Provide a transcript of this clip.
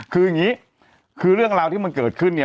คืออย่างนี้คือเรื่องราวที่มันเกิดขึ้นเนี่ย